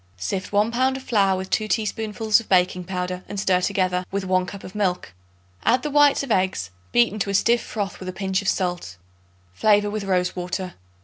Sift 1 pound of flour with 2 teaspoonfuls of baking powder and stir together with 1 cup of milk. Add the whites of eggs, beaten to a stiff froth with a pinch of salt. Flavor with rose water.